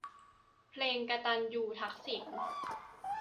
เพลง กตัญญูทักษิณ